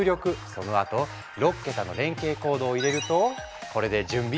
そのあと６桁の連携コードを入れるとこれで準備ＯＫ！